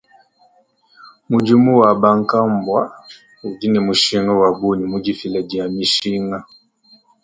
Mudimu wa bankambua udi ne mushinga wa bungi mu difila dia mishinga.